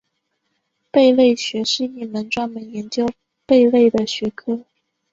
贝类学是一门专门研究贝类的学科。